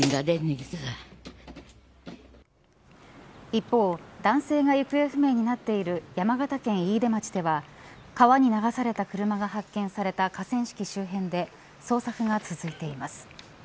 一方男性が行方不明になっている山形県飯豊町では川に流された車が発見された河川敷周辺で捜索が続いています。